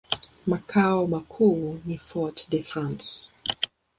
Makao makuu ni Fort-de-France.